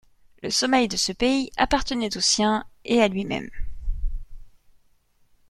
Le sommeil de ce pays appartenait aux siens et à lui-même.